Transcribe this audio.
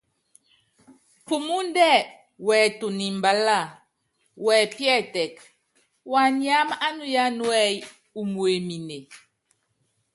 Pumúndɛ́ wɛɛtunu mbaláa, wɛpíɛ́tɛk, waniáma á nuya núɛ́yí umuemine.